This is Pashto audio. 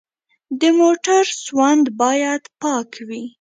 د موټر سوند باید پاک وي.